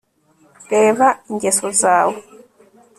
reba ingeso zawe